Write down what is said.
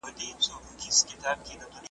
ماشوم د انا په وړاندې په ډېرې عاجزۍ کښېناست.